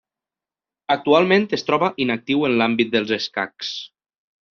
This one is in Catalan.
Actualment es troba inactiu en l'àmbit dels escacs.